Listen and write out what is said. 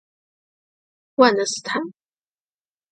万德斯坦。